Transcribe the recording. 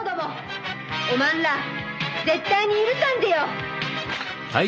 お前ら絶対に許さんぜよ！